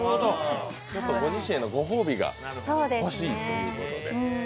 ご自身へのご褒美が欲しいということで。